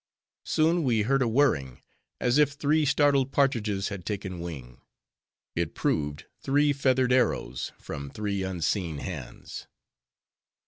Soon we heard a whirring, as if three startled partridges had taken wing; it proved three feathered arrows, from three unseen hands.